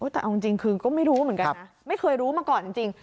แต่เอาจริงคือก็ไม่รู้เหมือนกันนะไม่เคยรู้มาก่อนจริง